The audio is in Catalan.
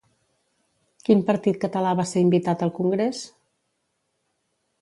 Quin partit català va ser invitat al congrés?